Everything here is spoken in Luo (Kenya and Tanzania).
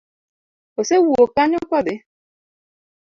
Osewuok kanyo kodhi?